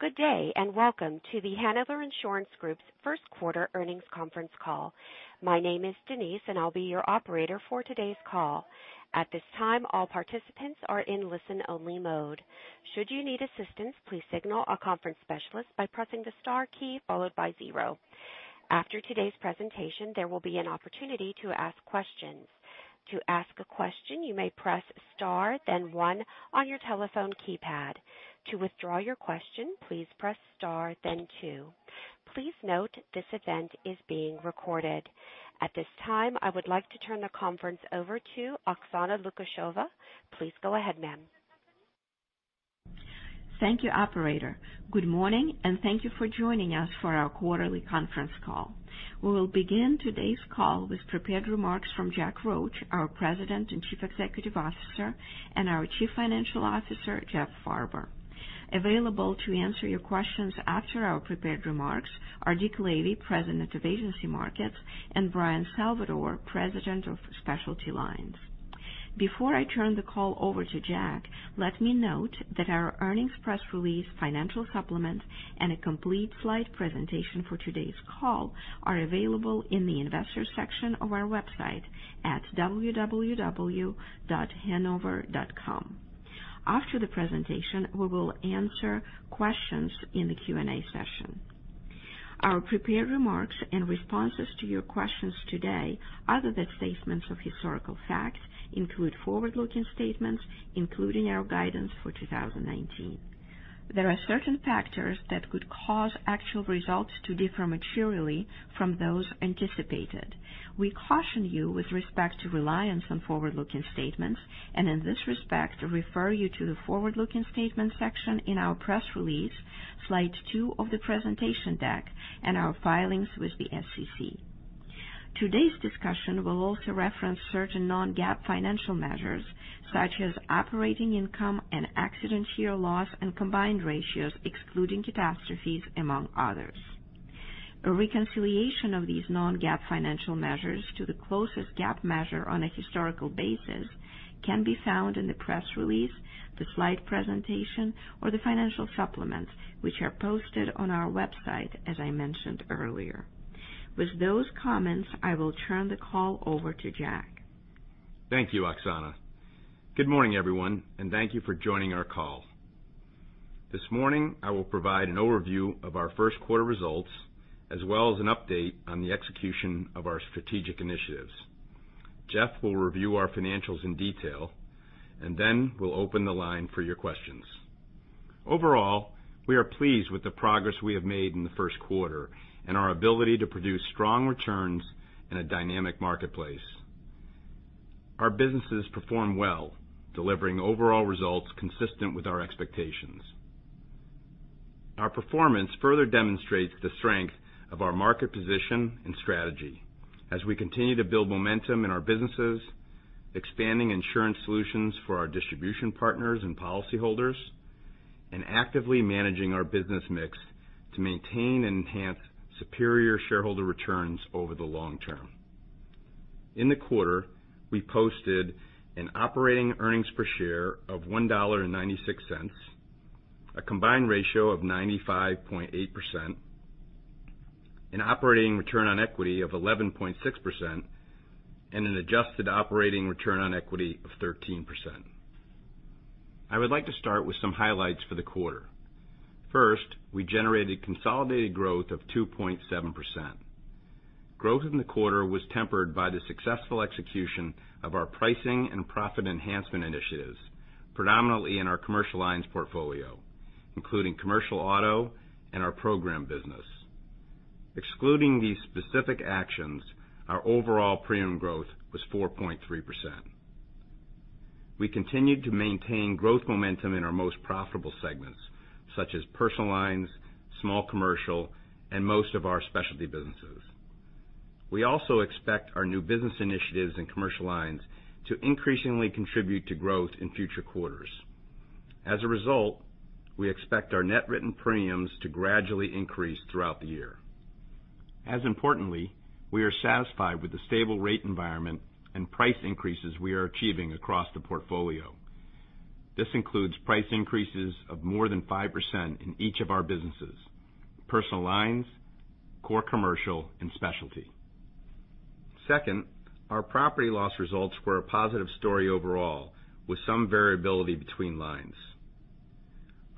Good day. Welcome to The Hanover Insurance Group's first quarter earnings conference call. My name is Denise, and I'll be your operator for today's call. At this time, all participants are in listen-only mode. Should you need assistance, please signal a conference specialist by pressing the star key followed by zero. After today's presentation, there will be an opportunity to ask questions. To ask a question, you may press star then one on your telephone keypad. To withdraw your question, please press star then two. Please note this event is being recorded. At this time, I would like to turn the conference over to Oksana Lukasheva. Please go ahead, ma'am. Thank you, operator. Good morning. Thank you for joining us for our quarterly conference call. We will begin today's call with prepared remarks from Jack Roche, our President and Chief Executive Officer, and our Chief Financial Officer, Jeff Farber. Available to answer your questions after our prepared remarks are Dick Lavey, President of Agency Markets, and Bryan Salvatore, President of Specialty Lines. Before I turn the call over to Jack, let me note that our earnings press release, financial supplements, and a complete slide presentation for today's call are available in the Investors section of our website at www.hanover.com. After the presentation, we will answer questions in the Q&A session. Our prepared remarks and responses to your questions today, other than statements of historical facts, include forward-looking statements, including our guidance for 2019. There are certain factors that could cause actual results to differ materially from those anticipated. We caution you with respect to reliance on forward-looking statements and in this respect refer you to the Forward-Looking Statements section in our press release, slide two of the presentation deck, and our filings with the SEC. Today's discussion will also reference certain non-GAAP financial measures, such as operating income and accident year loss and combined ratios excluding catastrophes, among others. A reconciliation of these non-GAAP financial measures to the closest GAAP measure on a historical basis can be found in the press release, the slide presentation, or the financial supplements, which are posted on our website, as I mentioned earlier. With those comments, I will turn the call over to Jack. Thank you, Oksana. Good morning, everyone. Thank you for joining our call. This morning, I will provide an overview of our first quarter results as well as an update on the execution of our strategic initiatives. Jeff will review our financials in detail, and then we'll open the line for your questions. Overall, we are pleased with the progress we have made in the first quarter and our ability to produce strong returns in a dynamic marketplace. Our businesses perform well, delivering overall results consistent with our expectations. Our performance further demonstrates the strength of our market position and strategy as we continue to build momentum in our businesses, expanding insurance solutions for our distribution partners and policyholders and actively managing our business mix to maintain and enhance superior shareholder returns over the long term. In the quarter, we posted an operating earnings per share of $1.96, a combined ratio of 95.8%, an operating Return on Equity of 11.6%, and an adjusted operating Return on Equity of 13%. I would like to start with some highlights for the quarter. First, we generated consolidated growth of 2.7%. Growth in the quarter was tempered by the successful execution of our pricing and profit enhancement initiatives, predominantly in our Commercial Lines portfolio, including commercial auto and our program business. Excluding these specific actions, our overall premium growth was 4.3%. We continued to maintain growth momentum in our most profitable segments, such as Personal Lines, Small Commercial, and most of our Specialty businesses. We also expect our new business initiatives in Commercial Lines to increasingly contribute to growth in future quarters. As a result, we expect our net written premiums to gradually increase throughout the year. As importantly, we are satisfied with the stable rate environment and price increases we are achieving across the portfolio. This includes price increases of more than 5% in each of our businesses, Personal Lines, Core Commercial, and Specialty. Second, our property loss results were a positive story overall, with some variability between lines.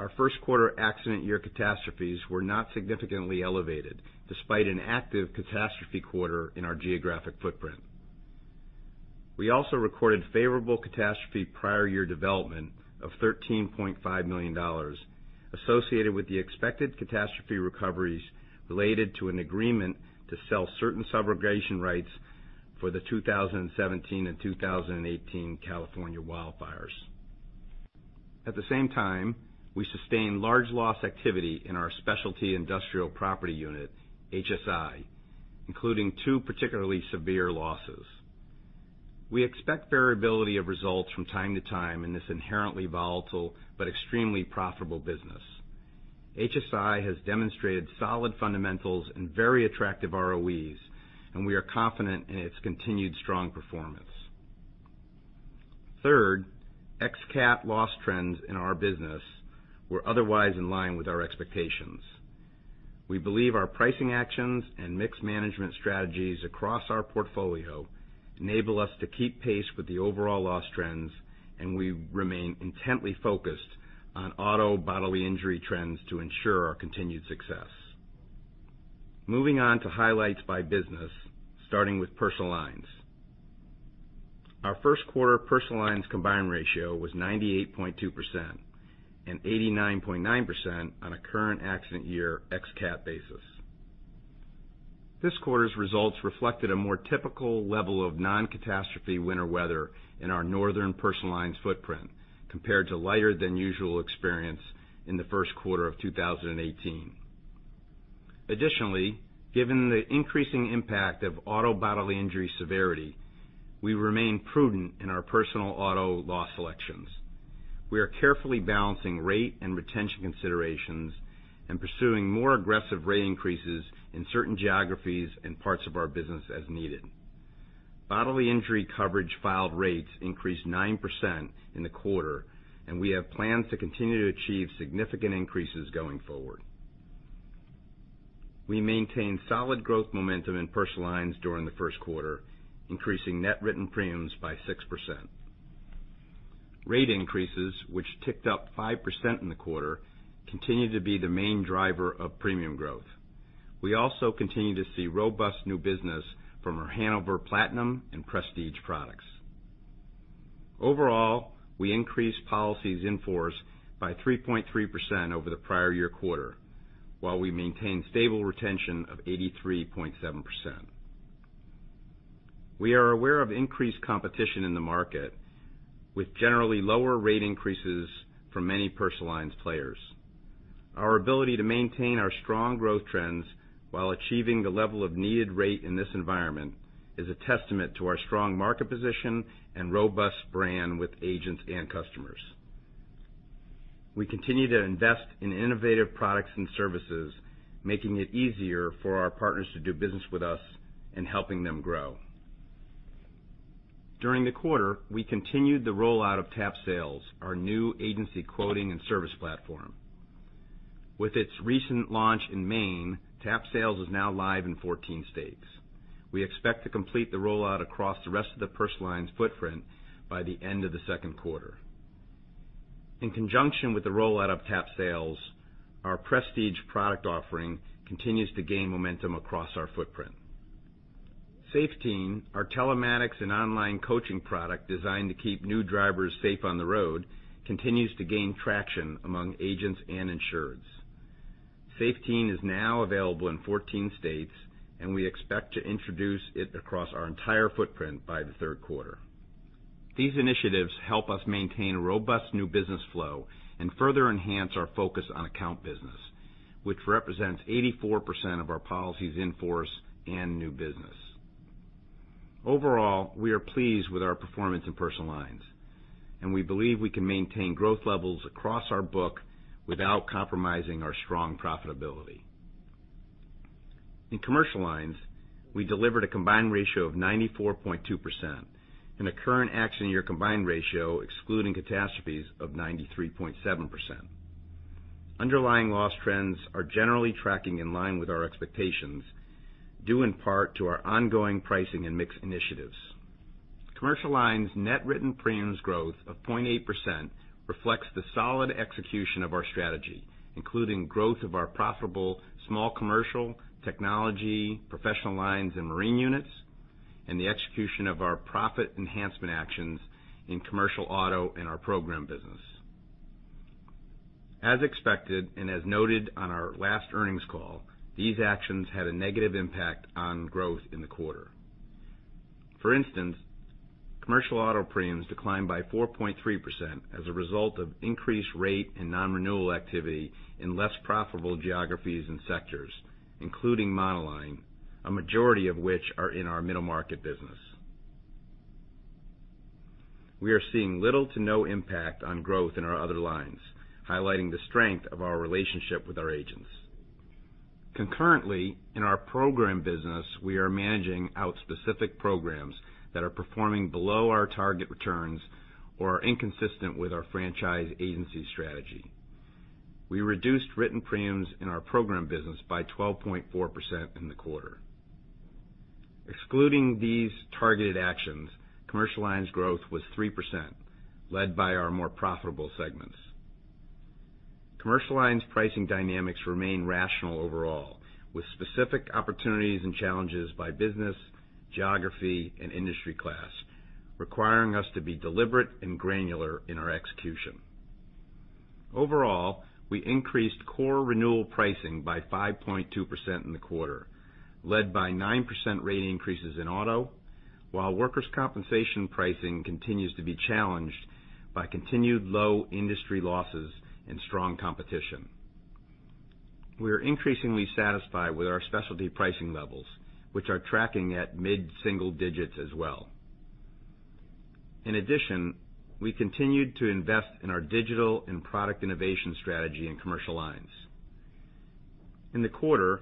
Our first quarter accident year catastrophes were not significantly elevated, despite an active catastrophe quarter in our geographic footprint. We also recorded favorable catastrophe prior year development of $13.5 million associated with the expected catastrophe recoveries related to an agreement to sell certain subrogation rights for the 2017 and 2018 California wildfires. At the same time, we sustained large loss activity in our Specialty Industrial Property unit, HSI, including two particularly severe losses. We expect variability of results from time to time in this inherently volatile but extremely profitable business. HSI has demonstrated solid fundamentals and very attractive ROEs, and we are confident in its continued strong performance. Third, ex-CAT loss trends in our business were otherwise in line with our expectations. We believe our pricing actions and mixed management strategies across our portfolio enable us to keep pace with the overall loss trends, and we remain intently focused on auto bodily injury trends to ensure our continued success. Moving on to highlights by business, starting with Personal Lines. Our first quarter Personal Lines combined ratio was 98.2% and 89.9% on a current accident year ex-CAT basis. This quarter's results reflected a more typical level of non-catastrophe winter weather in our northern Personal Lines footprint compared to lighter than usual experience in the first quarter of 2018. Additionally, given the increasing impact of auto bodily injury severity, we remain prudent in our personal auto loss selections. We are carefully balancing rate and retention considerations and pursuing more aggressive rate increases in certain geographies and parts of our business as needed. Bodily injury coverage filed rates increased 9% in the quarter, and we have plans to continue to achieve significant increases going forward. We maintained solid growth momentum in Personal Lines during the first quarter, increasing net written premiums by 6%. Rate increases, which ticked up 5% in the quarter, continue to be the main driver of premium growth. We also continue to see robust new business from our Hanover Platinum and Hanover Prestige products. Overall, we increased policies in force by 3.3% over the prior year quarter, while we maintained stable retention of 83.7%. We are aware of increased competition in the market with generally lower rate increases from many Personal Lines players. Our ability to maintain our strong growth trends while achieving the level of needed rate in this environment is a testament to our strong market position and robust brand with agents and customers. We continue to invest in innovative products and services, making it easier for our partners to do business with us and helping them grow. During the quarter, we continued the rollout of TAP Sales, our new agency quoting and service platform. With its recent launch in Maine, TAP Sales is now live in 14 states. We expect to complete the rollout across the rest of the personal lines footprint by the end of the second quarter. In conjunction with the rollout of TAP Sales, our Prestige product offering continues to gain momentum across our footprint. SafeTeen, our telematics and online coaching product designed to keep new drivers safe on the road, continues to gain traction among agents and insureds. SafeTeen is now available in 14 states, and we expect to introduce it across our entire footprint by the third quarter. These initiatives help us maintain a robust new business flow and further enhance our focus on account business, which represents 84% of our policies in force and new business. Overall, we are pleased with our performance in Personal Lines, and we believe we can maintain growth levels across our book without compromising our strong profitability. In Commercial Lines, we delivered a combined ratio of 94.2% and a current accident year combined ratio excluding catastrophes of 93.7%. Underlying loss trends are generally tracking in line with our expectations, due in part to our ongoing pricing and mix initiatives. Commercial Lines' net written premiums growth of 0.8% reflects the solid execution of our strategy, including growth of our profitable small commercial, technology, professional lines, and marine units and the execution of our profit enhancement actions in commercial auto and our program business. As expected and as noted on our last earnings call, these actions had a negative impact on growth in the quarter. For instance, commercial auto premiums declined by 4.3% as a result of increased rate and non-renewal activity in less profitable geographies and sectors, including monoline, a majority of which are in our middle market business. We are seeing little to no impact on growth in our other lines, highlighting the strength of our relationship with our agents. Concurrently, in our program business, we are managing out specific programs that are performing below our target returns or are inconsistent with our franchise agency strategy. We reduced written premiums in our program business by 12.4% in the quarter. Excluding these targeted actions, Commercial Lines growth was 3%, led by our more profitable segments. Commercial Lines pricing dynamics remain rational overall, with specific opportunities and challenges by business, geography, and industry class, requiring us to be deliberate and granular in our execution. Overall, we increased core renewal pricing by 5.2% in the quarter, led by 9% rate increases in auto, while workers' compensation pricing continues to be challenged by continued low industry losses and strong competition. We are increasingly satisfied with our specialty pricing levels, which are tracking at mid-single digits as well. In addition, we continued to invest in our digital and product innovation strategy in Commercial Lines. In the quarter,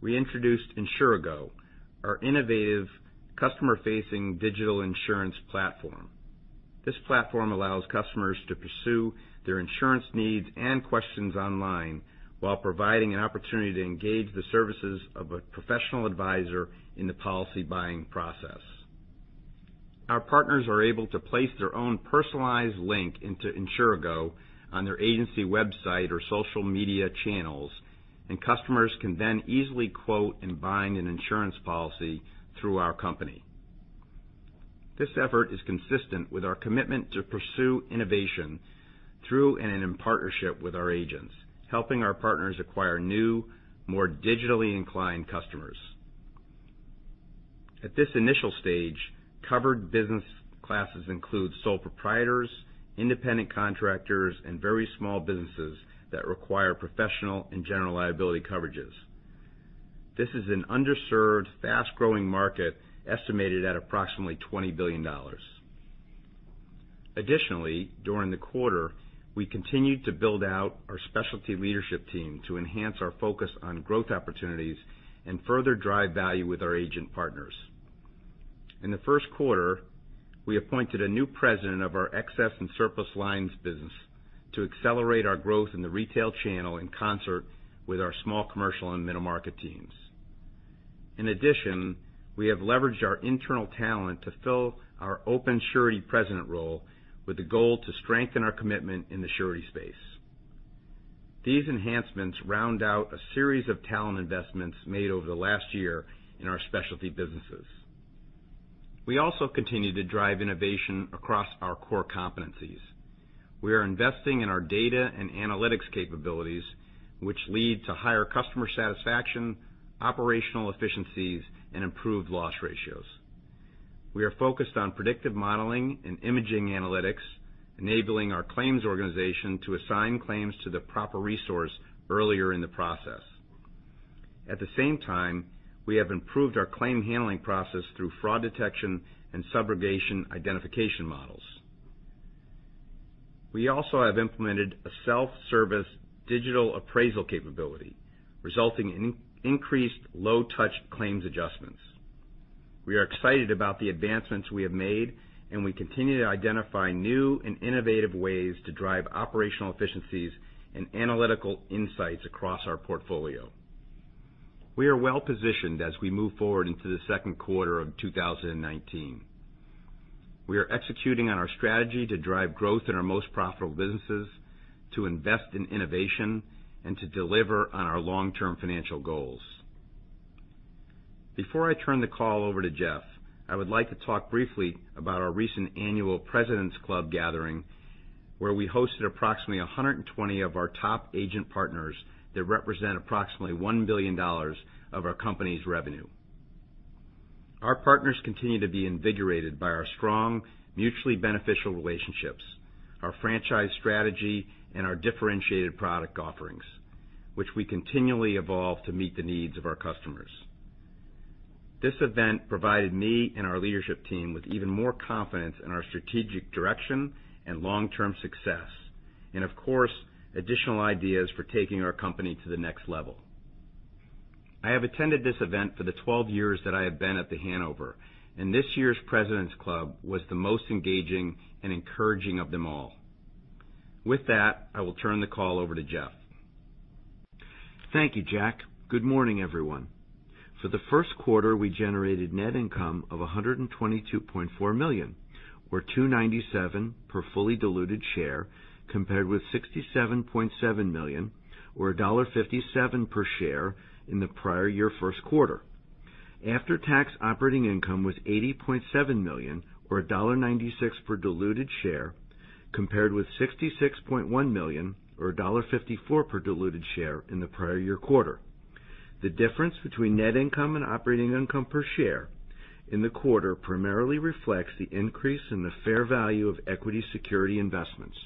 we introduced Insurago, our innovative customer-facing digital insurance platform. This platform allows customers to pursue their insurance needs and questions online while providing an opportunity to engage the services of a professional advisor in the policy-buying process. Our partners are able to place their own personalized link into Insurago on their agency website or social media channels, and customers can then easily quote and bind an insurance policy through our company. This effort is consistent with our commitment to pursue innovation through and in partnership with our agents, helping our partners acquire new, more digitally inclined customers. At this initial stage, covered business classes include sole proprietors, independent contractors, and very small businesses that require professional and general liability coverages. This is an underserved, fast-growing market estimated at approximately $20 billion. Additionally, during the quarter, we continued to build out our specialty leadership team to enhance our focus on growth opportunities and further drive value with our agent partners. In the first quarter, we appointed a new president of our excess and surplus lines business to accelerate our growth in the retail channel in concert with our small commercial and middle market teams. In addition, we have leveraged our internal talent to fill our open surety president role with the goal to strengthen our commitment in the surety space. These enhancements round out a series of talent investments made over the last year in our specialty businesses. We also continue to drive innovation across our core competencies. We are investing in our data and analytics capabilities, which lead to higher customer satisfaction, operational efficiencies, and improved loss ratios. We are focused on predictive modeling and imaging analytics, enabling our claims organization to assign claims to the proper resource earlier in the process. At the same time, we have improved our claim handling process through fraud detection and subrogation identification models. We also have implemented a self-service digital appraisal capability, resulting in increased low-touch claims adjustments. We are excited about the advancements we have made, and we continue to identify new and innovative ways to drive operational efficiencies and analytical insights across our portfolio. We are well-positioned as we move forward into the second quarter of 2019. We are executing on our strategy to drive growth in our most profitable businesses, to invest in innovation, and to deliver on our long-term financial goals. Before I turn the call over to Jeff, I would like to talk briefly about our recent annual Presidents Club gathering, where we hosted approximately 120 of our top agent partners that represent approximately $1 billion of our company's revenue. Our partners continue to be invigorated by our strong, mutually beneficial relationships, our franchise strategy, and our differentiated product offerings, which we continually evolve to meet the needs of our customers. This event provided me and our leadership team with even more confidence in our strategic direction and long-term success and, of course, additional ideas for taking our company to the next level. I have attended this event for the 12 years that I have been at The Hanover, and this year's Presidents Club was the most engaging and encouraging of them all. With that, I will turn the call over to Jeff. Thank you, Jack. Good morning, everyone. For the first quarter, we generated net income of $122.4 million, or $2.97 per fully diluted share, compared with $67.7 million, or $1.57 per share in the prior year first quarter. After-tax operating income was $80.7 million, or $1.96 per diluted share, compared with $66.1 million, or $1.54 per diluted share in the prior year quarter. The difference between net income and operating income per share in the quarter primarily reflects the increase in the fair value of equity security investments.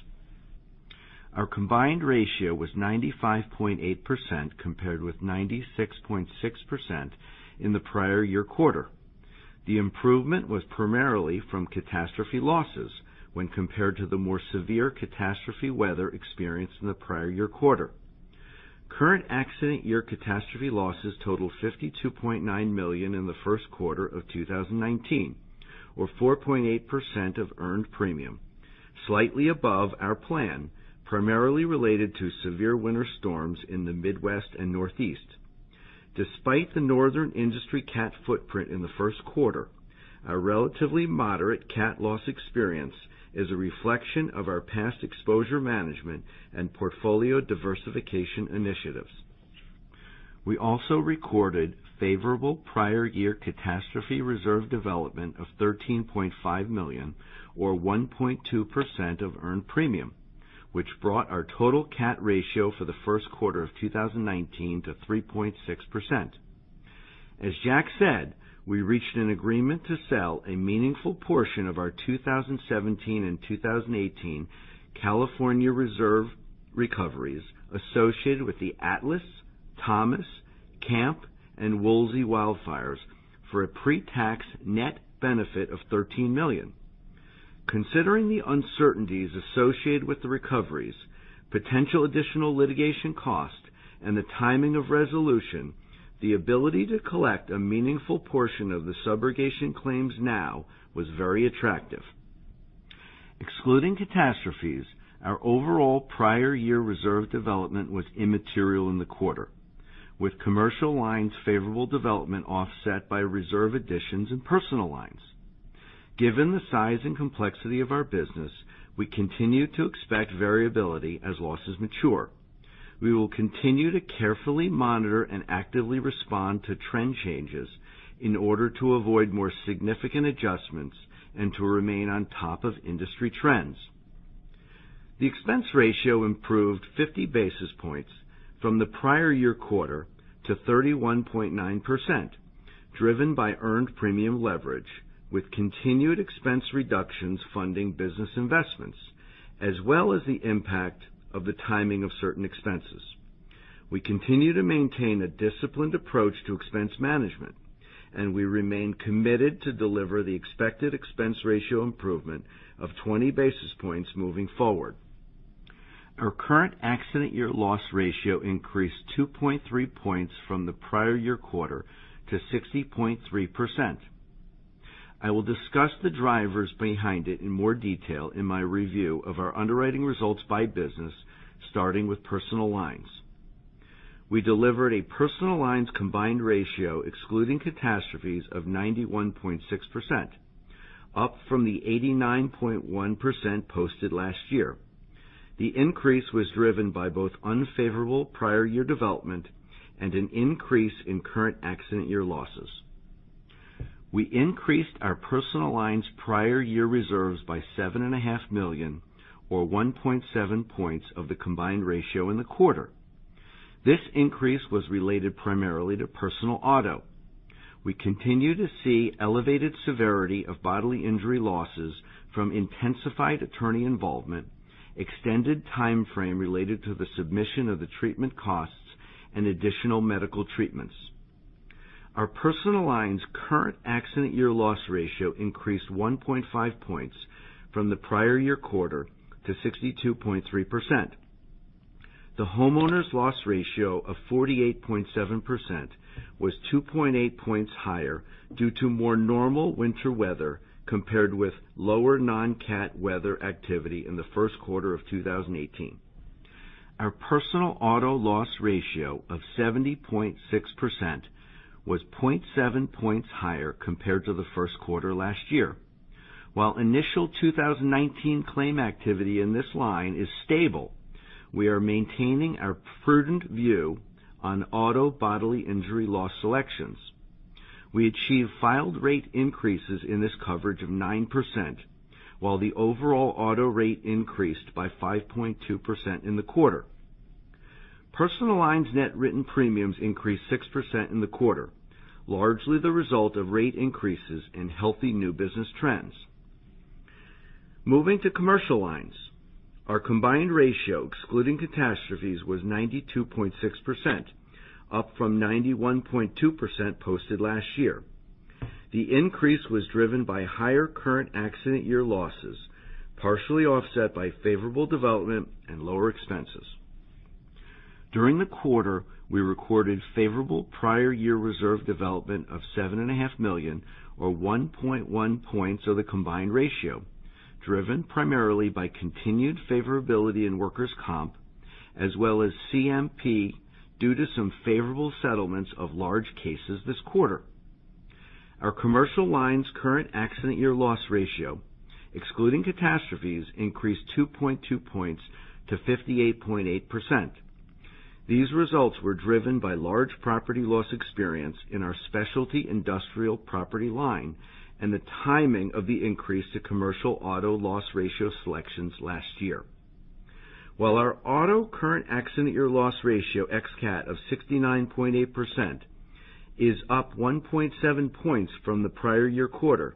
Our combined ratio was 95.8%, compared with 96.6% in the prior year quarter. The improvement was primarily from catastrophe losses when compared to the more severe catastrophe weather experienced in the prior year quarter. Current accident year catastrophe losses totaled $52.9 million in the first quarter of 2019, or 4.8% of earned premium, slightly above our plan, primarily related to severe winter storms in the Midwest and Northeast. Despite the northern industry cat footprint in the first quarter, our relatively moderate cat loss experience is a reflection of our past exposure management and portfolio diversification initiatives. We also recorded favorable prior year catastrophe reserve development of $13.5 million, or 1.2% of earned premium, which brought our total cat ratio for the first quarter of 2019 to 3.6%. As Jack said, we reached an agreement to sell a meaningful portion of our 2017 and 2018 California reserve recoveries associated with the Atlas, Thomas, Camp, and Woolsey wildfires for a pretax net benefit of $13 million. Considering the uncertainties associated with the recoveries, potential additional litigation cost, and the timing of resolution, the ability to collect a meaningful portion of the subrogation claims now was very attractive. Excluding catastrophes, our overall prior year reserve development was immaterial in the quarter, with commercial lines' favorable development offset by reserve additions in personal lines. Given the size and complexity of our business, we continue to expect variability as losses mature. We will continue to carefully monitor and actively respond to trend changes in order to avoid more significant adjustments and to remain on top of industry trends. The expense ratio improved 50 basis points from the prior year quarter to 31.9%, driven by earned premium leverage with continued expense reductions funding business investments, as well as the impact of the timing of certain expenses. We continue to maintain a disciplined approach to expense management, and we remain committed to deliver the expected expense ratio improvement of 20 basis points moving forward. Our current accident year loss ratio increased 2.3 points from the prior year quarter to 60.3%. I will discuss the drivers behind it in more detail in my review of our underwriting results by business, starting with personal lines. We delivered a personal lines combined ratio excluding catastrophes of 91.6%, up from the 89.1% posted last year. The increase was driven by both unfavorable prior year development and an increase in current accident year losses. We increased our personal lines' prior year reserves by 7,500,000,000, or 1.7 points of the combined ratio in the quarter. This increase was related primarily to personal auto. We continue to see elevated severity of bodily injury losses from intensified attorney involvement, extended timeframe related to the submission of the treatment costs, and additional medical treatments. Our personal lines current accident year loss ratio increased 1.5 points from the prior year quarter to 62.3%. The homeowners loss ratio of 48.7% was 2.8 points higher due to more normal winter weather, compared with lower non-cat weather activity in the first quarter of 2018. Our personal auto loss ratio of 70.6% was 0.7 points higher compared to the first quarter last year. While initial 2019 claim activity in this line is stable, we are maintaining our prudent view on auto bodily injury loss selections. We achieved filed rate increases in this coverage of 9%, while the overall auto rate increased by 5.2% in the quarter. Personal lines' net written premiums increased 6% in the quarter, largely the result of rate increases and healthy new business trends. Moving to commercial lines, our combined ratio excluding catastrophes was 92.6%, up from 91.2% posted last year. The increase was driven by higher current accident year losses, partially offset by favorable development and lower expenses. During the quarter, we recorded favorable prior year reserve development of 7,500,000, or 1.1 points of the combined ratio, driven primarily by continued favorability in workers' comp, as well as CMP due to some favorable settlements of large cases this quarter. Our commercial lines current accident year loss ratio, excluding catastrophes, increased 2.2 points to 58.8%. These results were driven by large property loss experience in our specialty industrial property line and the timing of the increase to commercial auto loss ratio selections last year. While our auto current accident year loss ratio ex-CAT of 69.8% is up 1.7 points from the prior year quarter,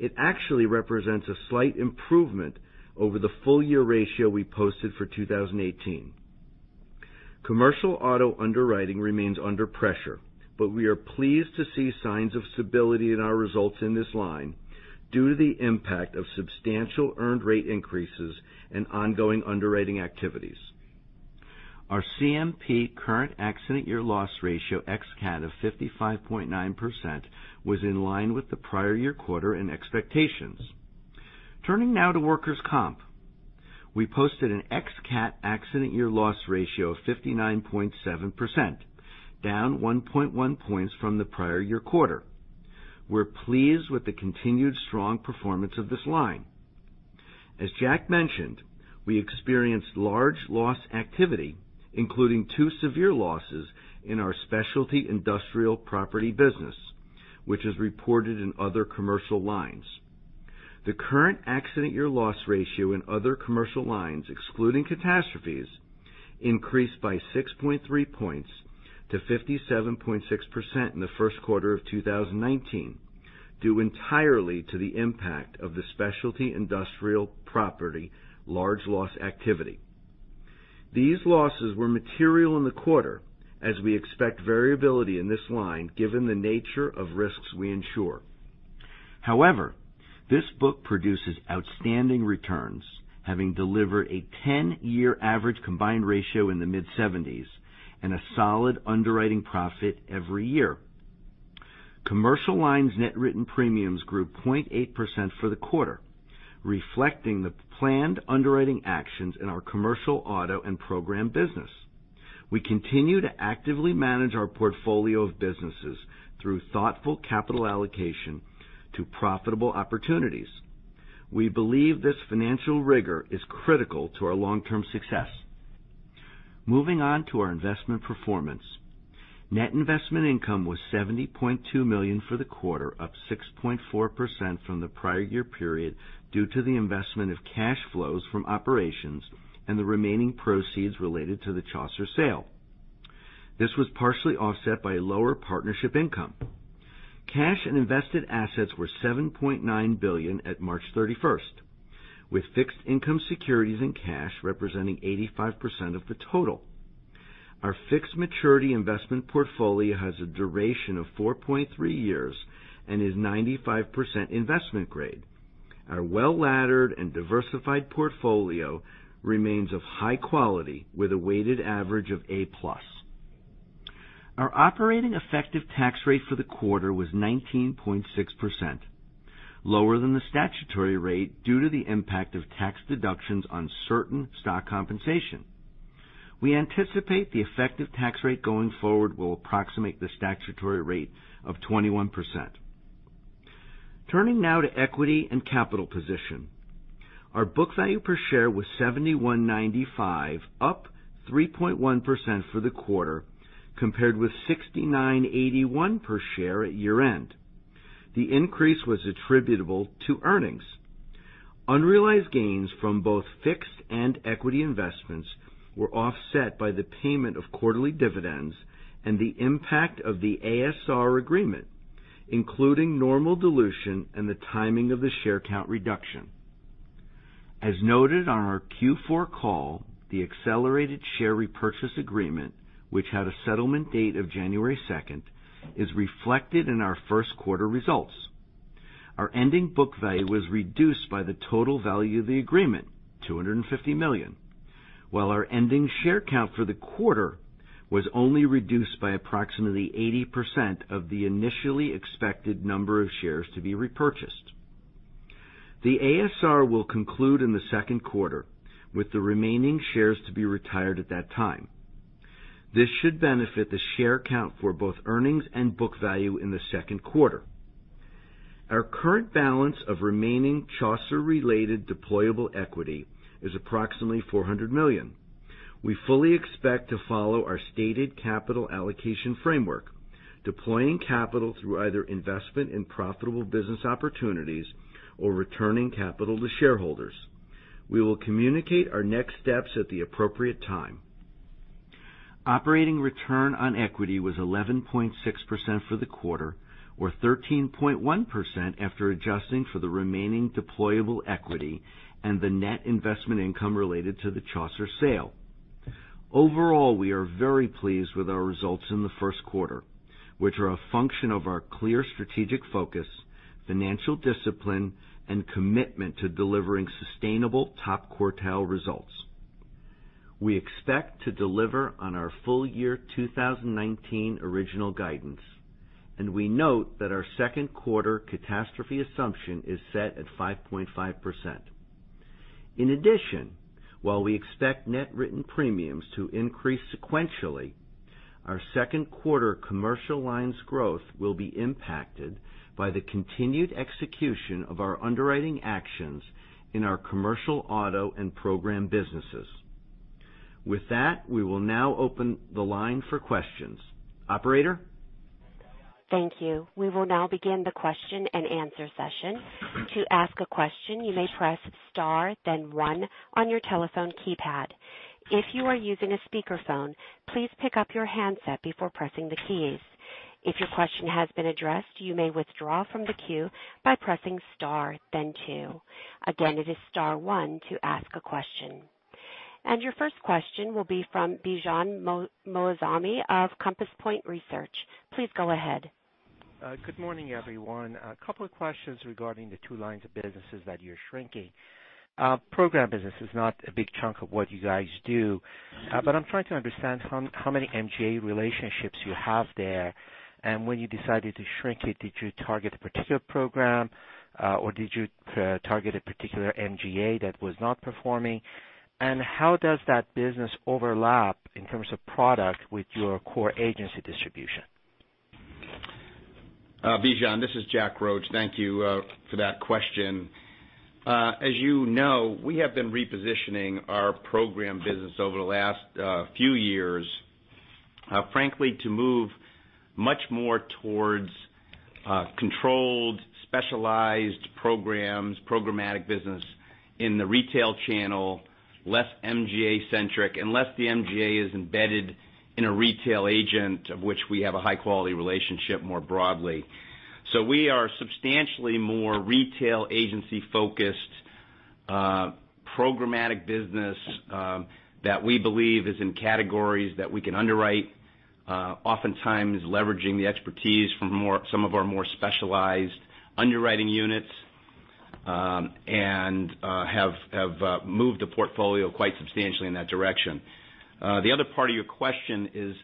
it actually represents a slight improvement over the full year ratio we posted for 2018. Commercial auto underwriting remains under pressure, but we are pleased to see signs of stability in our results in this line due to the impact of substantial earned rate increases and ongoing underwriting activities. Our CMP current accident year loss ratio ex-CAT of 55.9% was in line with the prior year quarter and expectations. Turning now to workers' comp. We posted an ex-CAT accident year loss ratio of 59.7%, down 1.1 points from the prior year quarter. We're pleased with the continued strong performance of this line. As Jack mentioned, we experienced large loss activity, including two severe losses in our specialty industrial property business, which is reported in other commercial lines. The current accident year loss ratio in other commercial lines, excluding catastrophes, increased by 6.3 points to 57.6% in the first quarter of 2019, due entirely to the impact of the specialty industrial property large loss activity. These losses were material in the quarter, as we expect variability in this line given the nature of risks we insure. However, this book produces outstanding returns, having delivered a 10-year average combined ratio in the mid-70s and a solid underwriting profit every year. Commercial lines net written premiums grew 0.8% for the quarter, reflecting the planned underwriting actions in our commercial auto and program business. We continue to actively manage our portfolio of businesses through thoughtful capital allocation to profitable opportunities. We believe this financial rigor is critical to our long-term success. Moving on to our investment performance. Net investment income was $70.2 million for the quarter, up 6.4% from the prior year period due to the investment of cash flows from operations and the remaining proceeds related to the Chaucer sale. This was partially offset by lower partnership income. Cash and invested assets were $7.9 billion at March 31st, with fixed income securities and cash representing 85% of the total. Our fixed maturity investment portfolio has a duration of 4.3 years and is 95% investment grade. Our well-laddered and diversified portfolio remains of high quality with a weighted average of A-plus. Our operating effective tax rate for the quarter was 19.6%, lower than the statutory rate due to the impact of tax deductions on certain stock compensation. We anticipate the effective tax rate going forward will approximate the statutory rate of 21%. Turning now to equity and capital position. Our book value per share was $71.95, up 3.1% for the quarter, compared with $69.81 per share at year-end. The increase was attributable to earnings. Unrealized gains from both fixed and equity investments were offset by the payment of quarterly dividends and the impact of the ASR agreement, including normal dilution and the timing of the share count reduction. As noted on our Q4 call, the accelerated share repurchase agreement, which had a settlement date of January 2nd, is reflected in our first quarter results. Our ending book value was reduced by the total value of the agreement, $250 million, while our ending share count for the quarter was only reduced by approximately 80% of the initially expected number of shares to be repurchased. The ASR will conclude in the second quarter, with the remaining shares to be retired at that time. This should benefit the share count for both earnings and book value in the second quarter. Our current balance of remaining Chaucer-related deployable equity is approximately $400 million. We fully expect to follow our stated capital allocation framework, deploying capital through either investment in profitable business opportunities or returning capital to shareholders. We will communicate our next steps at the appropriate time. Operating return on equity was 11.6% for the quarter or 13.1% after adjusting for the remaining deployable equity and the net investment income related to the Chaucer sale. Overall, we are very pleased with our results in the first quarter, which are a function of our clear strategic focus, financial discipline, and commitment to delivering sustainable top-quartile results. We expect to deliver on our full year 2019 original guidance, and we note that our second quarter catastrophe assumption is set at 5.5%. In addition, while we expect net written premiums to increase sequentially, our second quarter commercial lines growth will be impacted by the continued execution of our underwriting actions in our commercial auto and program businesses. With that, we will now open the line for questions. Operator? Thank you. We will now begin the question-and-answer session. To ask a question, you may press star then one on your telephone keypad. If you are using a speakerphone, please pick up your handset before pressing the keys. If your question has been addressed, you may withdraw from the queue by pressing star then two. Again, it is star one to ask a question. Your first question will be from Bijan Moazami of Compass Point Research. Please go ahead. Good morning, everyone. A couple of questions regarding the two lines of businesses that you're shrinking. Program business is not a big chunk of what you guys do, but I'm trying to understand how many MGA relationships you have there, and when you decided to shrink it, did you target a particular program, or did you target a particular MGA that was not performing? How does that business overlap in terms of product with your core agency distribution? Bijan, this is Jack Roche. Thank you for that question. As you know, we have been repositioning our program business over the last few years, frankly, to move much more towards controlled, specialized programs, programmatic business in the retail channel, less MGA-centric, unless the MGA is embedded in a retail agent of which we have a high-quality relationship more broadly. We are substantially more retail agency-focused programmatic business that we believe is in categories that we can underwrite, oftentimes leveraging the expertise from some of our more specialized underwriting units, and have moved the portfolio quite substantially in that direction. The other part of your question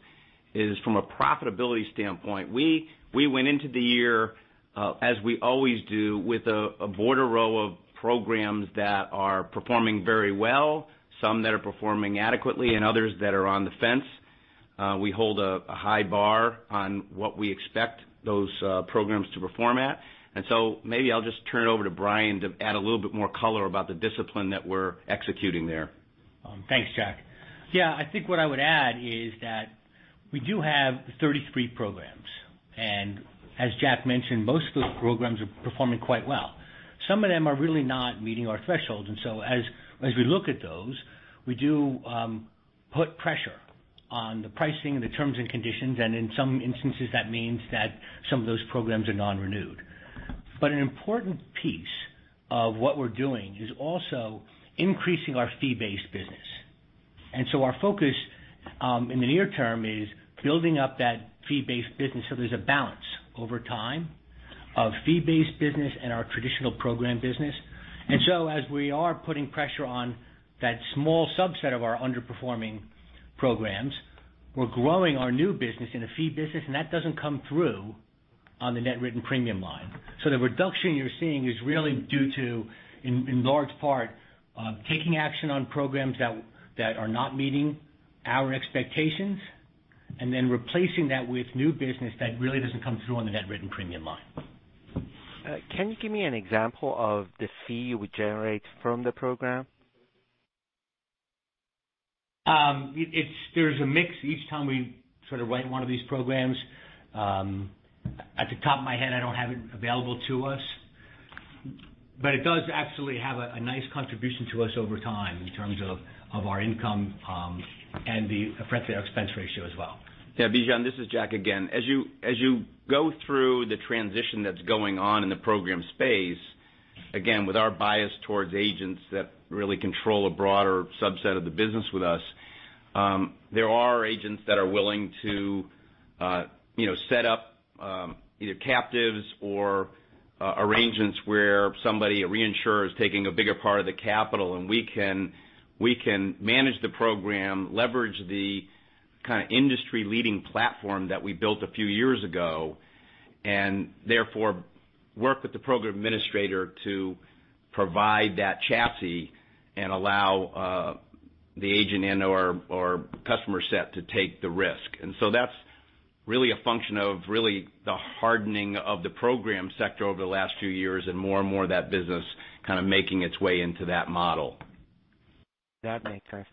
is from a profitability standpoint. We went into the year, as we always do, with a border row of programs that are performing very well, some that are performing adequately, and others that are on the fence. We hold a high bar on what we expect those programs to perform at. Maybe I'll just turn it over to Bryan to add a little bit more color about the discipline that we're executing there. Thanks, Jack. Yeah, I think what I would add is that we do have 33 programs. As Jack mentioned, most of those programs are performing quite well. Some of them are really not meeting our thresholds. As we look at those, we do put pressure on the pricing, the terms and conditions, and in some instances, that means that some of those programs are non-renewed. An important piece of what we're doing is also increasing our fee-based business. Our focus in the near term is building up that fee-based business so there's a balance over time of fee-based business and our traditional program business. As we are putting pressure on that small subset of our underperforming programs, we're growing our new business in a fee business, and that doesn't come through on the net written premium line. The reduction you're seeing is really due to, in large part, taking action on programs that are not meeting our expectations, and then replacing that with new business that really doesn't come through on the net written premium line. Can you give me an example of the fee you would generate from the program? There's a mix each time we write one of these programs. At the top of my head, I don't have it available to us. It does absolutely have a nice contribution to us over time in terms of our income and the expense ratio as well. Yeah, Bijan, this is Jack again. As you go through the transition that's going on in the program space, again, with our bias towards agents that really control a broader subset of the business with us, there are agents that are willing to set up either captives or arrangements where somebody, a reinsurer, is taking a bigger part of the capital, and we can manage the program, leverage the industry-leading platform that we built a few years ago, and therefore work with the program administrator to provide that chassis and allow the agent and/or customer set to take the risk. That's really a function of really the hardening of the program sector over the last few years, and more and more of that business kind of making its way into that model. That makes sense.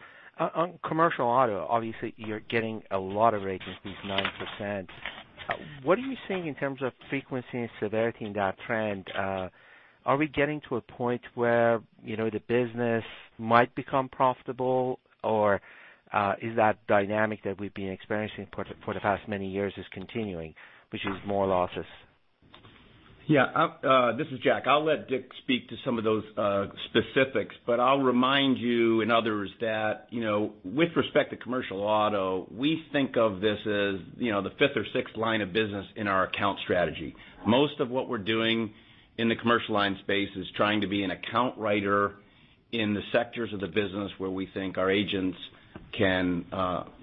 On commercial auto, obviously, you're getting a lot of agencies, 9%. What are you seeing in terms of frequency and severity in that trend? Are we getting to a point where the business might become profitable, or is that dynamic that we've been experiencing for the past many years is continuing, which is more losses? Yeah. This is Jack. I'll let Dick speak to some of those specifics, but I'll remind you and others that with respect to commercial auto, we think of this as the fifth or sixth line of business in our account strategy. Most of what we're doing in the commercial line space is trying to be an account writer in the sectors of the business where we think our agents can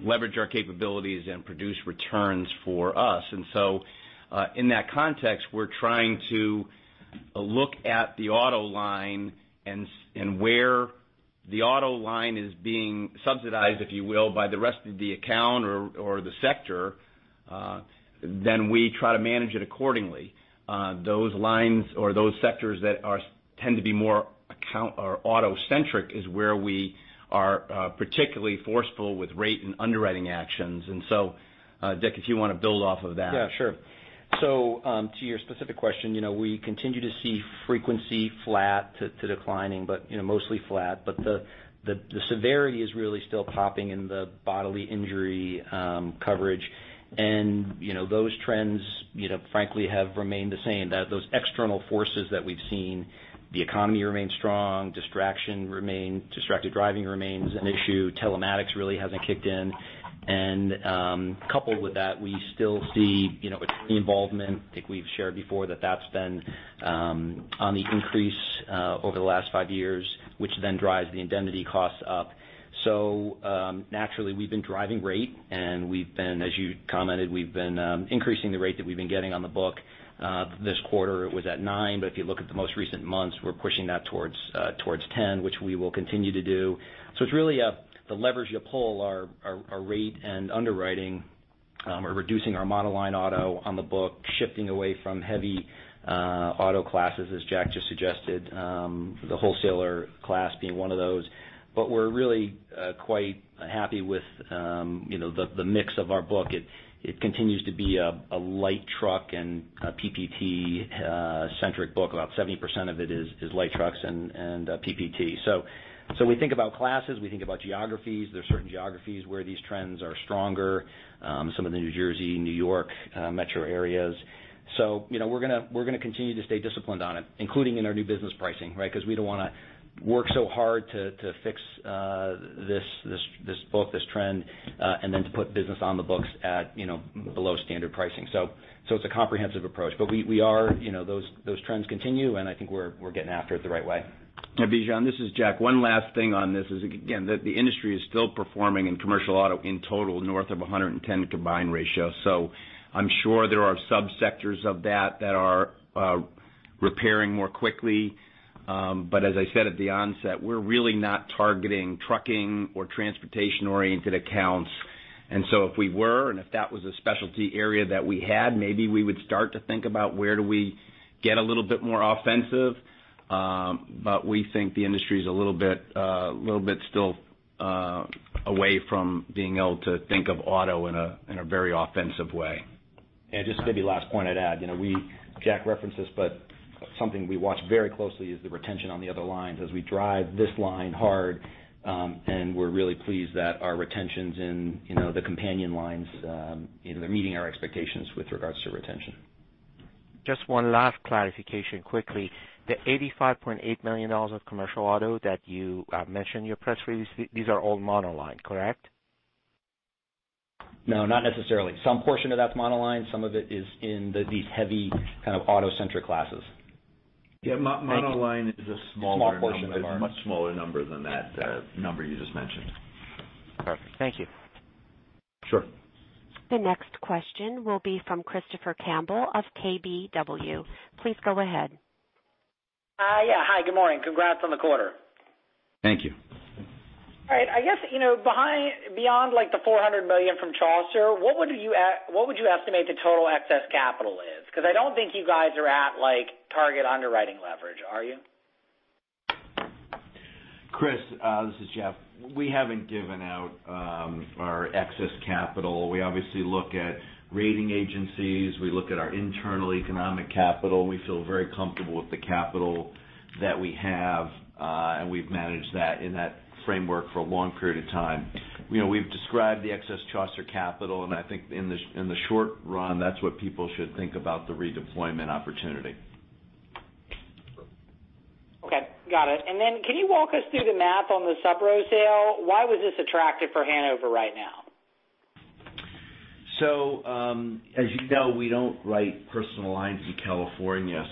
leverage our capabilities and produce returns for us. In that context, we're trying to look at the auto line and where the auto line is being subsidized, if you will, by the rest of the account or the sector, then we try to manage it accordingly. Those lines or those sectors that tend to be more auto-centric is where we are particularly forceful with rate and underwriting actions. Dick, if you want to build off of that. Yeah, sure. To your specific question, we continue to see frequency flat to declining, but mostly flat. The severity is really still popping in the bodily injury coverage. Those trends frankly have remained the same. Those external forces that we've seen, the economy remains strong, distracted driving remains an issue, telematics really hasn't kicked in. Coupled with that, we still see attorney involvement. I think we've shared before that that's been on the increase over the last five years, which then drives the indemnity costs up. Naturally, we've been driving rate, and we've been, as you commented, we've been increasing the rate that we've been getting on the book. This quarter it was at nine, but if you look at the most recent months, we're pushing that towards 10, which we will continue to do. It's really the leverage you pull are rate and underwriting. We're reducing our monoline auto on the book, shifting away from heavy auto classes, as Jack just suggested, the wholesaler class being one of those. We're really quite happy with the mix of our book. It continues to be a light truck and a PPT-centric book. About 70% of it is light trucks and PPT. We think about classes, we think about geographies. There's certain geographies where these trends are stronger. Some of the New Jersey, New York metro areas. We're going to continue to stay disciplined on it, including in our new business pricing. We don't want to work so hard to fix this book, this trend, and then to put business on the books at below standard pricing. It's a comprehensive approach. Those trends continue, and I think we're getting after it the right way. Bijan, this is Jack. One last thing on this is, again, the industry is still performing in commercial auto in total north of 110 combined ratio. I'm sure there are sub-sectors of that that are repairing more quickly. As I said at the onset, we're really not targeting trucking or transportation-oriented accounts. If we were, and if that was a specialty area that we had, maybe we would start to think about where do we get a little bit more offensive. We think the industry is a little bit still away from being able to think of auto in a very offensive way. Just maybe last point I'd add. Jack referenced this, but something we watch very closely is the retention on the other lines as we drive this line hard. We're really pleased that our retentions in the companion lines, they're meeting our expectations with regards to retention. Just one last clarification quickly. The $85.8 million of commercial auto that you mentioned in your press release, these are all monoline, correct? No, not necessarily. Some portion of that's monoline, some of it is in these heavy kind of auto-centric classes. Yeah. Thank you is a smaller number. Small portion of our- It's a much smaller number than that number you just mentioned. Perfect. Thank you. Sure. The next question will be from Christopher Campbell of KBW. Please go ahead. Yeah. Hi, good morning. Congrats on the quarter. Thank you. All right. I guess, beyond the $400 million from Chaucer, what would you estimate the total excess capital is? I don't think you guys are at target underwriting leverage, are you? Chris, this is Jeff. We haven't given out our excess capital. We obviously look at rating agencies. We look at our internal economic capital, and we feel very comfortable with the capital that we have. We've managed that in that framework for a long period of time. We've described the excess Chaucer capital, and I think in the short run, that's what people should think about the redeployment opportunity. Okay. Got it. Can you walk us through the math on the subro sale? Why was this attractive for Hanover right now? As you know, we don't write personal lines in California.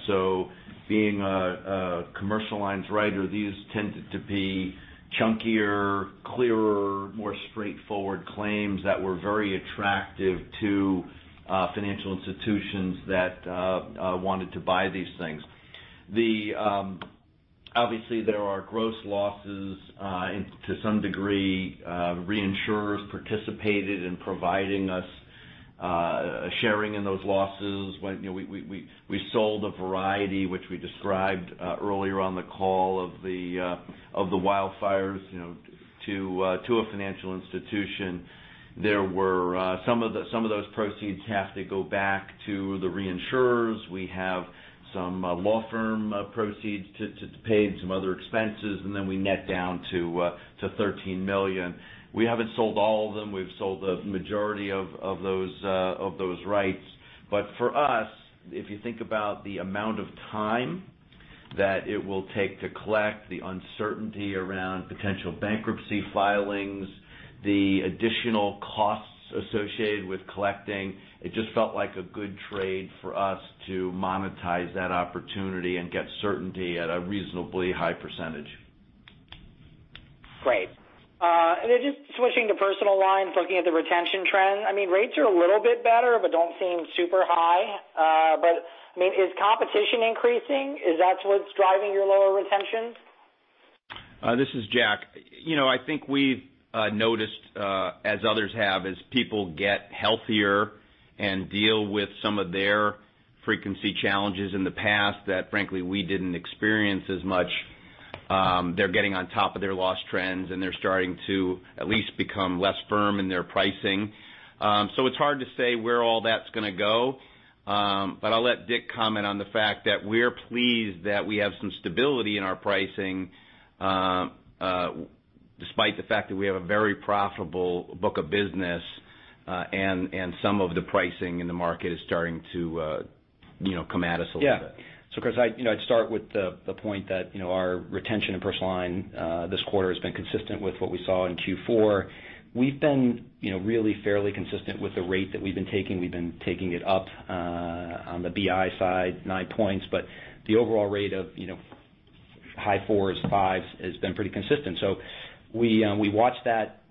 Being a commercial lines writer, these tended to be chunkier, clearer, more straightforward claims that were very attractive to financial institutions that wanted to buy these things. Obviously, there are gross losses. To some degree, reinsurers participated in providing us sharing in those losses. We sold a variety, which we described earlier on the call, of the wildfires to a financial institution. Some of those proceeds have to go back to the reinsurers. We have some law firm proceeds to pay and some other expenses. We net down to $13 million. We haven't sold all of them. We've sold the majority of those rights. For us, if you think about the amount of time that it will take to collect, the uncertainty around potential bankruptcy filings, the additional costs associated with collecting, it just felt like a good trade for us to monetize that opportunity and get certainty at a reasonably high percentage. Great. Just switching to personal lines, looking at the retention trend, rates are a little bit better, but don't seem super high. Is competition increasing? Is that what's driving your lower retention? This is Jack. I think we've noticed, as others have, as people get healthier and deal with some of their frequency challenges in the past that frankly, we didn't experience as much, they're getting on top of their loss trends, and they're starting to at least become less firm in their pricing. It's hard to say where all that's going to go. I'll let Dick comment on the fact that we're pleased that we have some stability in our pricing, despite the fact that we have a very profitable book of business, and some of the pricing in the market is starting to come at us a little bit. Yeah. Chris, I'd start with the point that our retention in personal line this quarter has been consistent with what we saw in Q4. We've been really fairly consistent with the rate that we've been taking. We've been taking it up on the BI side 9 points, but the overall rate of high fours, fives, has been pretty consistent. We watch that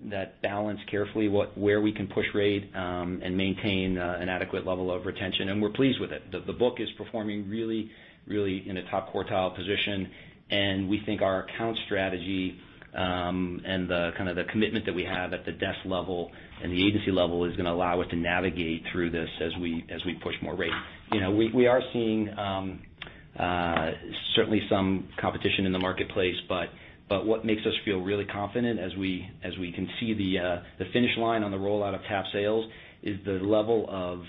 balance carefully, where we can push rate and maintain an adequate level of retention, and we're pleased with it. The book is performing really in a top quartile position, and we think our account strategy, and the commitment that we have at the desk level and the agency level is going to allow us to navigate through this as we push more rate. We are seeing certainly some competition in the marketplace, but what makes us feel really confident as we can see the finish line on the rollout of TAP Sales is the level of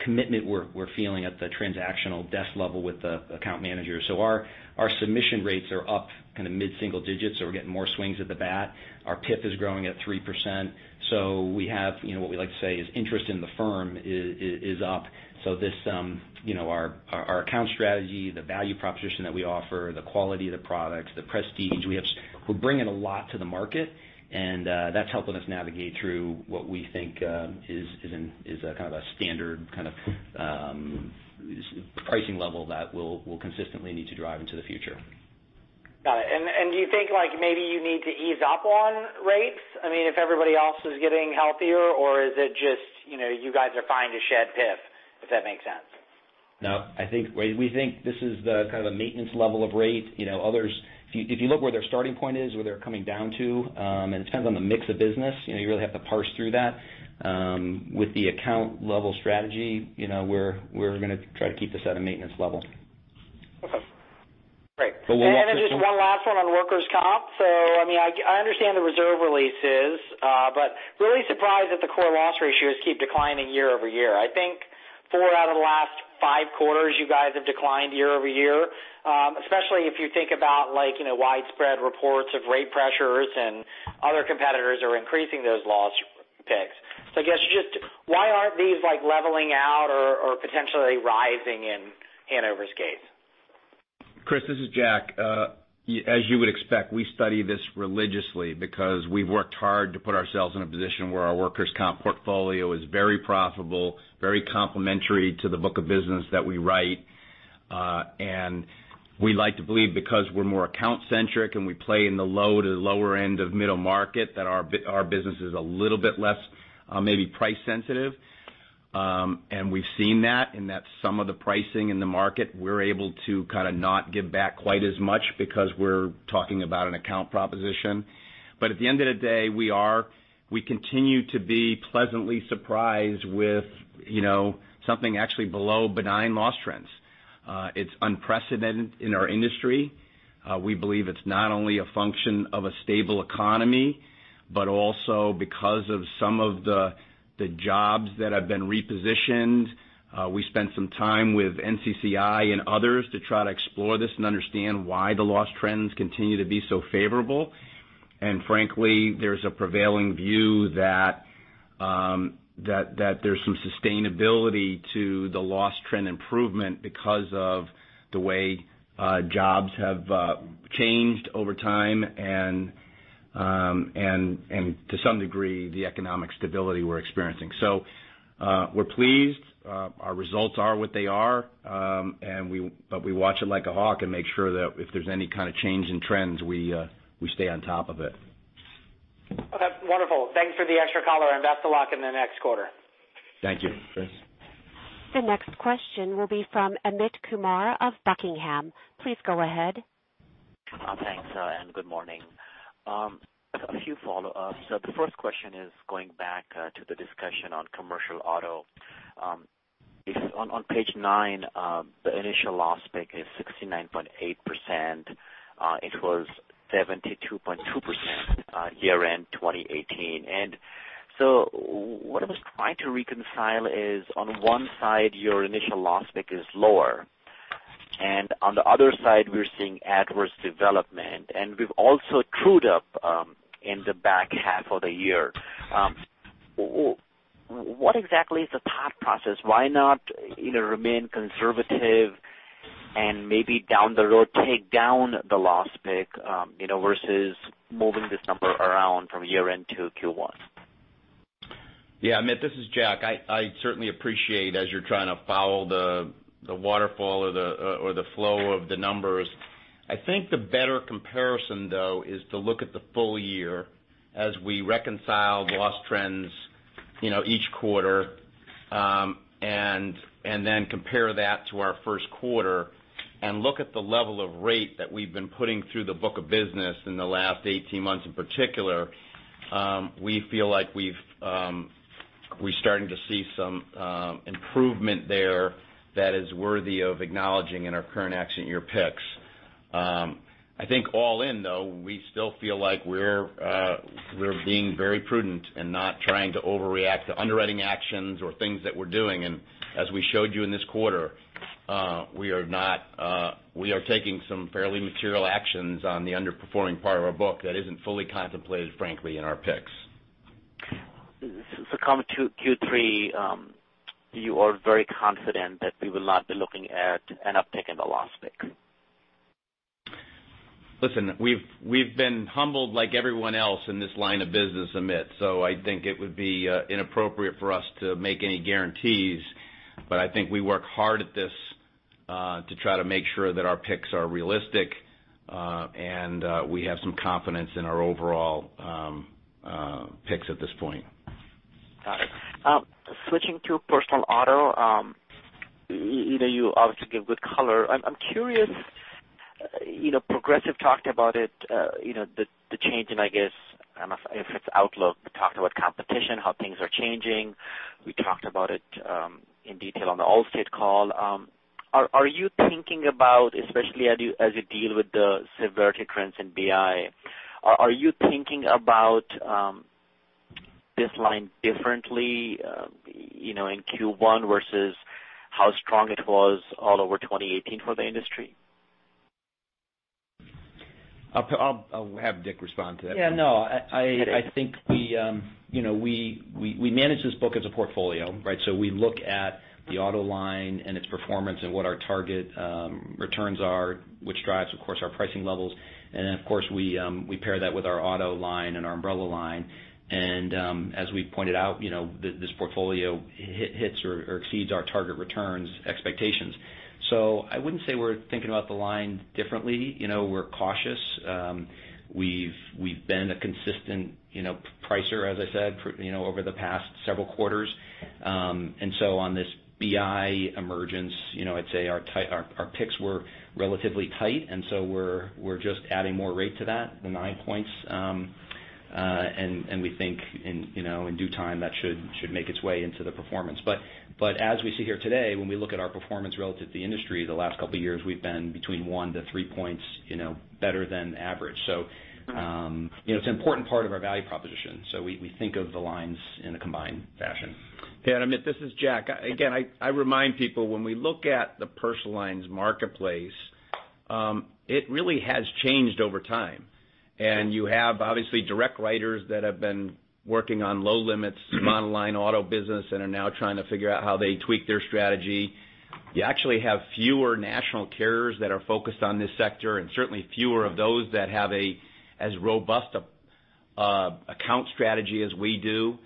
commitment we're feeling at the transactional desk level with the account manager. Our submission rates are up mid-single digits, we're getting more swings at the bat. Our PIF is growing at 3%. We have what we like to say is interest in the firm is up. Our account strategy, the value proposition that we offer, the quality of the products, the prestige, we're bringing a lot to the market, and that's helping us navigate through what we think is a kind of a standard pricing level that we'll consistently need to drive into the future. Got it. Do you think maybe you need to ease up on rates? If everybody else is getting healthier, or is it just you guys are fine to shed PIF, if that makes sense? No. We think this is the kind of maintenance level of rate. Others, if you look where their starting point is, where they're coming down to, it depends on the mix of business, you really have to parse through that. With the account level strategy, we're going to try to keep this at a maintenance level. Okay. Great. We'll watch this one. Just one last one on workers' comp. I understand the reserve releases, really surprised that the core loss ratios keep declining year-over-year. I think four out of the last five quarters, you guys have declined year-over-year. Especially if you think about widespread reports of rate pressures and other competitors are increasing those loss picks. I guess just why aren't these leveling out or potentially rising in The Hanover's case? Christopher, this is Jack. As you would expect, we study this religiously because we've worked hard to put ourselves in a position where our workers' comp portfolio is very profitable, very complementary to the book of business that we write. We like to believe because we're more account-centric and we play in the low to the lower end of middle market, that our business is a little bit less maybe price sensitive. We've seen that in that some of the pricing in the market, we're able to kind of not give back quite as much because we're talking about an account proposition. At the end of the day, we continue to be pleasantly surprised with something actually below benign loss trends. It's unprecedented in our industry. We believe it's not only a function of a stable economy, also because of some of the jobs that have been repositioned. We spent some time with NCCI and others to try to explore this and understand why the loss trends continue to be so favorable. Frankly, there's a prevailing view that there's some sustainability to the loss trend improvement because of the way jobs have changed over time, and to some degree, the economic stability we're experiencing. We're pleased. Our results are what they are. We watch it like a hawk and make sure that if there's any kind of change in trends, we stay on top of it. Okay. Wonderful. Thanks for the extra color. Best of luck in the next quarter. Thank you, Chris. The next question will be from Amit Kumar of Buckingham. Please go ahead. Thanks. Good morning. A few follow-ups. The first question is going back to the discussion on commercial auto. On page nine, the initial loss pick is 69.8%. It was 72.2% year-end 2018. What I was trying to reconcile is on one side, your initial loss pick is lower, and on the other side, we're seeing adverse development, and we've also trued up in the back half of the year. What exactly is the thought process? Why not either remain conservative and maybe down the road take down the loss pick versus moving this number around from year-end to Q1? Yeah, Amit, this is Jack. I certainly appreciate as you're trying to follow the waterfall or the flow of the numbers. I think the better comparison, though, is to look at the full year as we reconcile loss trends each quarter, then compare that to our first quarter and look at the level of rate that we've been putting through the book of business in the last 18 months in particular. We feel like we're starting to see some improvement there that is worthy of acknowledging in our current accident year picks. I think all in, though, we still feel like we're being very prudent and not trying to overreact to underwriting actions or things that we're doing. As we showed you in this quarter, we are taking some fairly material actions on the underperforming part of our book that isn't fully contemplated, frankly, in our picks. Coming to Q3, you are very confident that we will not be looking at an uptick in the loss pick? Listen, we've been humbled like everyone else in this line of business, Amit, I think it would be inappropriate for us to make any guarantees. I think we work hard at this, to try to make sure that our picks are realistic, and we have some confidence in our overall picks at this point. Got it. Switching to personal auto, you obviously give good color. I am curious. Progressive talked about it, the change in, I guess, if it's outlook, but talked about competition, how things are changing. We talked about it in detail on the Allstate call. Are you thinking about, especially as you deal with the severity trends in BI, are you thinking about this line differently in Q1 versus how strong it was all over 2018 for the industry? I'll have Dick respond to that one. I think we manage this book as a portfolio, right? We look at the auto line and its performance and what our target returns are, which drives, of course, our pricing levels. Of course, we pair that with our auto line and our umbrella line. As we pointed obut, this portfolio hits or exceeds our target returns expectations. I wouldn't say we're thinking aout the line differently. We're cautious. We've been a consistent pricer, as I said, over the past several quarters. On this BI emergence, I'd say our picks were relatively tight, and so we're just adding more rate to that, the 9 points. We think in due time, that should make its way into the performance. As we sit here today, when we look at our performance relative to the industry, the last couple of years, we've been between 1 to 3 points better than average. It's an important part of our value proposition. We think of the lines in a combined fashion. Amit, this is Jack. Again, I remind people, when we look at the personal lines marketplace, it really has changed over time. You have, obviously, direct writers that have been working on low limits non-line auto business and are now trying to figure out how they tweak their strategy. You actually have fewer national carriers that are focused on this sector, and certainly fewer of those that have as robust account strategy as we do.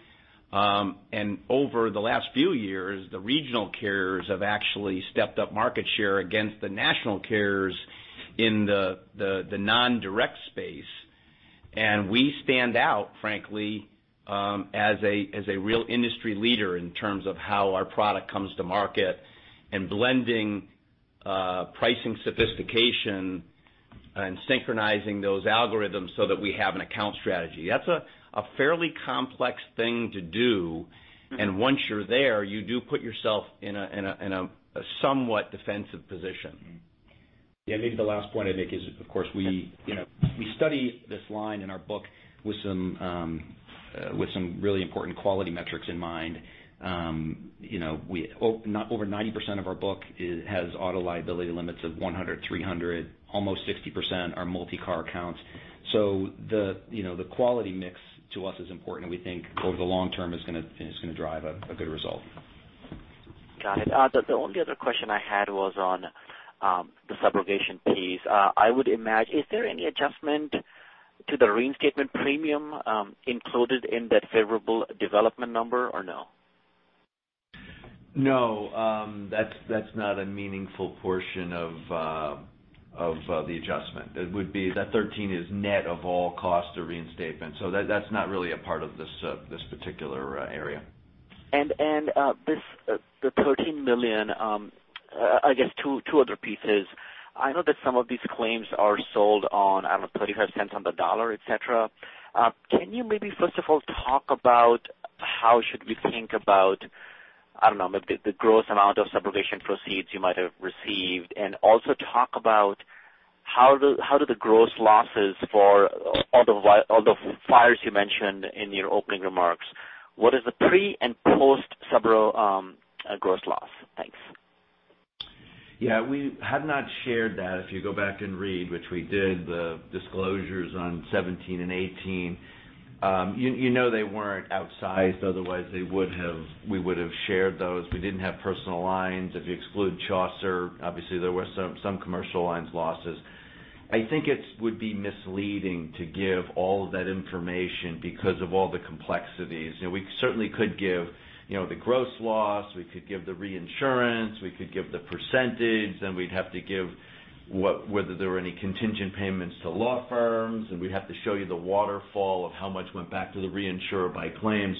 Over the last few years, the regional carriers have actually stepped up market share against the national carriers in the non-direct space. We stand out, frankly, as a real industry leader in terms of how our product comes to market and blending pricing sophistication and synchronizing those algorithms so that we have an account strategy. That's a fairly complex thing to do, and once you're there, you do put yourself in a somewhat defensive position. Yeah. Maybe the last point, Amit, is, of course, we study this line in our book with some really important quality metrics in mind. Over 90% of our book has auto liability limits of 100, 300. Almost 60% are multi-car accounts. The quality mix to us is important, and we think over the long term is going to drive a good result. Got it. The only other question I had was on the subrogation piece. I would imagine, is there any adjustment to the reinstatement premium included in that favorable development number or no? No. That's not a meaningful portion of the adjustment. That 13 is net of all cost to reinstatement. That's not really a part of this particular area. The $13 million, I guess two other pieces. I know that some of these claims are sold on, I don't know, $0.35 on the dollar, et cetera. Maybe, first of all, talk about how should we think about, I don't know, maybe the gross amount of subrogation proceeds you might have received? Also talk about how do the gross losses for all the fires you mentioned in your opening remarks, what is the pre and post subro gross loss? Thanks. Yeah. We have not shared that. If you go back and read, which we did, the disclosures on 2017 and 2018. You know they weren't outsized, otherwise we would have shared those. We didn't have personal lines. If you exclude Chaucer, obviously there were some commercial lines losses. I think it would be misleading to give all of that information because of all the complexities. We certainly could give the gross loss, we could give the reinsurance, we could give the percentage, we'd have to give whether there were any contingent payments to law firms, and we'd have to show you the waterfall of how much went back to the reinsurer by claim.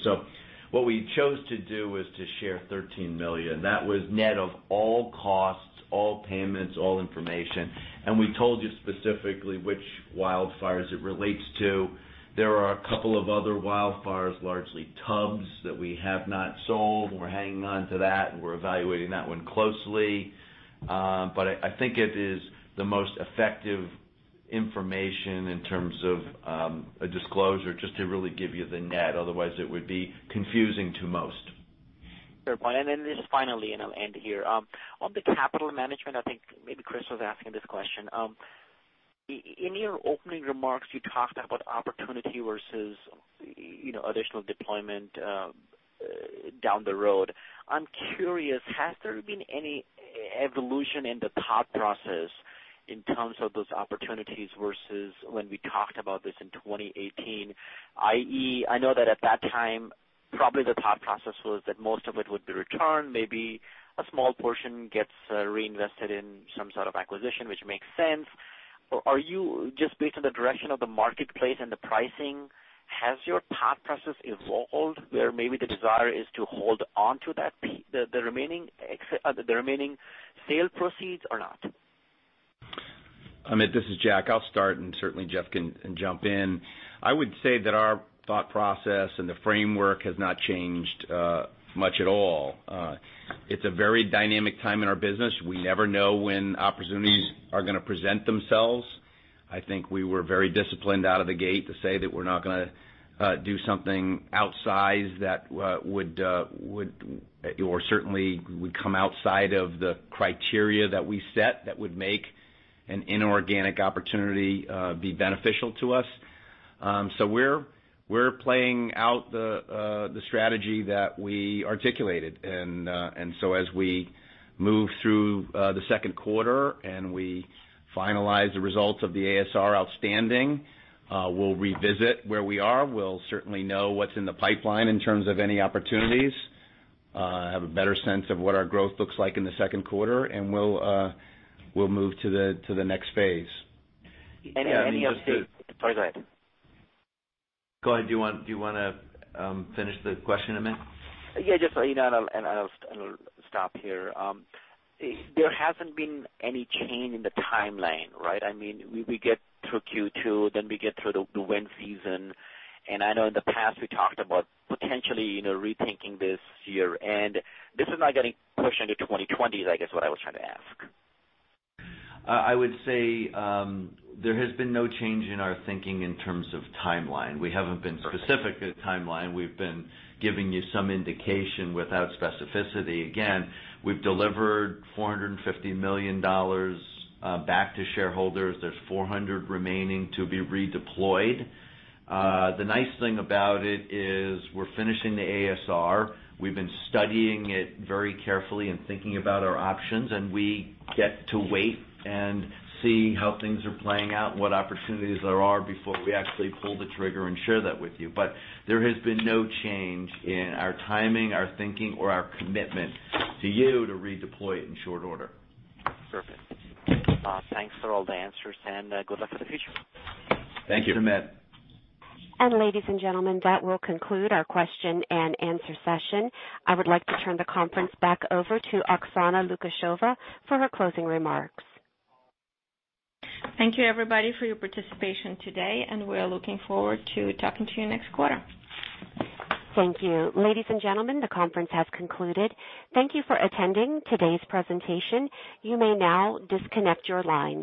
What we chose to do was to share $13 million. That was net of all costs, all payments, all information, and we told you specifically which wildfires it relates to. There are a couple of other wildfires, largely Tubbs, that we have not sold, and we're hanging on to that, and we're evaluating that one closely. I think it is the most effective information in terms of a disclosure, just to really give you the net. Otherwise, it would be confusing to most. Fair point. Then just finally, I'll end here. On the capital management, I think maybe Chris was asking this question. In your opening remarks, you talked about opportunity versus additional deployment down the road. I'm curious, has there been any evolution in the thought process in terms of those opportunities versus when we talked about this in 2018? I.e., I know that at that time, probably the thought process was that most of it would be return, maybe a small portion gets reinvested in some sort of acquisition, which makes sense. Just based on the direction of the marketplace and the pricing, has your thought process evolved where maybe the desire is to hold onto the remaining sale proceeds or not? Amit, this is Jack. I'll start, and certainly Jeff can jump in. I would say that our thought process and the framework has not changed much at all. It's a very dynamic time in our business. We never know when opportunities are going to present themselves. I think we were very disciplined out of the gate to say that we're not going to do something outsized that would certainly come outside of the criteria that we set that would make an inorganic opportunity beneficial to us. We're playing out the strategy that we articulated. As we move through the second quarter and we finalize the results of the ASR outstanding, we'll revisit where we are. We'll certainly know what's in the pipeline in terms of any opportunities, have a better sense of what our growth looks like in the second quarter, and we'll move to the next phase. Sorry, go ahead. Go ahead. Do you want to finish the question, Amit? Yeah, just so you know, and I'll stop here. There hasn't been any change in the timeline, right? We get through Q2. We get through the wind season. I know in the past, we talked about potentially rethinking this year. This is not getting pushed into 2020, is I guess what I was trying to ask. I would say there has been no change in our thinking in terms of timeline. We haven't been specific with timeline. We've been giving you some indication without specificity. Again, we've delivered $450 million back to shareholders. There's $400 million remaining to be redeployed. The nice thing about it is we're finishing the ASR. We've been studying it very carefully and thinking about our options. We get to wait and see how things are playing out and what opportunities there are before we actually pull the trigger and share that with you. There has been no change in our timing, our thinking, or our commitment to you to redeploy it in short order. Perfect. Thanks for all the answers. Good luck for the future. Thank you. Thanks, Amit. Ladies and gentlemen, that will conclude our question-and-answer session. I would like to turn the conference back over to Oksana Lukasheva for her closing remarks. Thank you, everybody, for your participation today, and we're looking forward to talking to you next quarter. Thank you. Ladies and gentlemen, the conference has concluded. Thank you for attending today's presentation. You may now disconnect your lines.